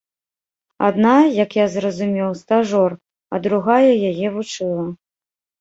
Адна, як я зразумеў, стажор, а другая яе вучыла.